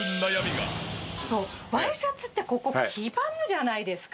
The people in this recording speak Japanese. ワイシャツってここ黄ばむじゃないですか？